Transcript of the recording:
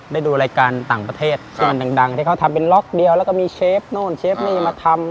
ได้ดูรายการต่างประเทศที่มันดังที่เขาทำเป็นล็อกเดียวแล้วก็มีเชฟโน่นเชฟนี่มาทำ